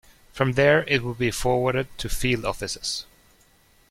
From there it would be forwarded to field offices.